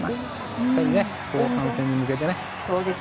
やっぱり後半戦に向けてね。